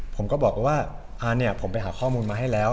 ผมก็บอกว่าอ่าเนี่ยผมไปหาข้อมูลมาให้แล้ว